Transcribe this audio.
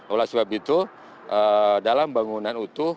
oleh sebab itu dalam bangunan utuh